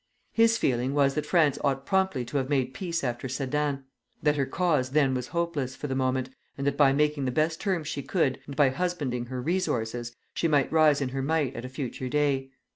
His feeling was that France ought promptly to have made peace after Sedan, that her cause then was hopeless for the moment, and that by making the best terms she could, and by husbanding her resources, she might rise in her might at a future day.